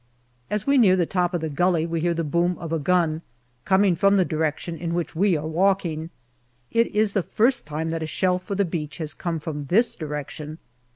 As we near the top of the gully, we hear the boom of a gun, coming from the direction in which we are walking. It is the first time that a shell for the beach has come from this direction.